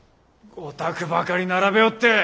御託ばかり並べおって！